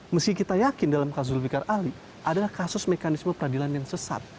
meski kita yakin dalam kasus zulfiqar ali adalah kasus mekanisme peradilan yang sesat